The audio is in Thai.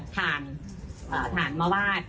ผ่านมาวาด